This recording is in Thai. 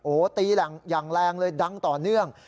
โอ้โหตีอย่างแรงเลยดังต่อเนื่อง